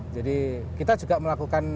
jadi kita juga melakukan